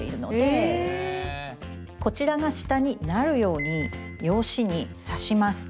こちらが下になるように用紙に刺します。